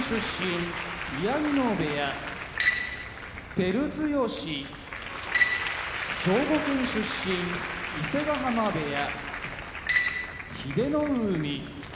照強兵庫県出身伊勢ヶ濱部屋英乃海